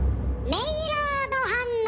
メイラード反応。